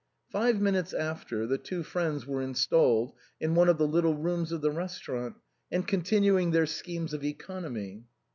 Five minutes after, the two friends were installed in one of the little rooms of the restaurant, and continuing their schemes of economy.